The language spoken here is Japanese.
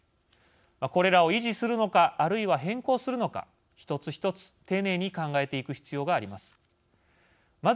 これらを維持するのかあるいは変更するのか一つ一つ丁寧に考えていく必要があります。